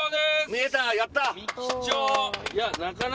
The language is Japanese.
見えたやった！